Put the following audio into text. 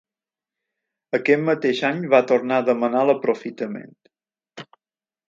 Aquest mateix any va tornar a demanar l'aprofitament.